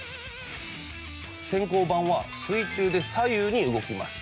潜行板は水中で左右に動きます。